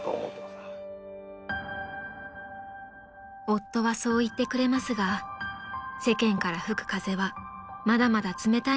［夫はそう言ってくれますが世間から吹く風はまだまだ冷たいのが現実です］